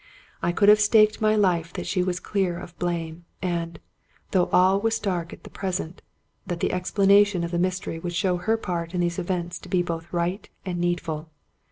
I could have staked my life that she was clear of blame, and, though all was dark at the present, that the explanation of the mystery would show her part in these events to be both right and needful.